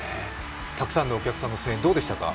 たくさんのお客さんの声援、どうでしたか？